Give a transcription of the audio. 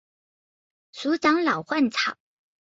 鼠掌老鹳草为牻牛儿苗科老鹳草属的植物。